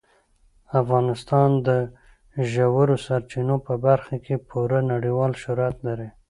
افغانستان د ژورو سرچینو په برخه کې پوره نړیوال شهرت لري.